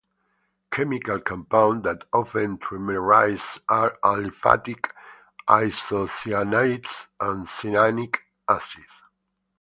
Chemical compounds that often trimerise are aliphatic isocyanates and cyanic acids.